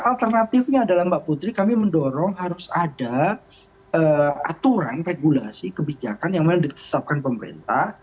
alternatifnya adalah mbak putri kami mendorong harus ada aturan regulasi kebijakan yang memang ditetapkan pemerintah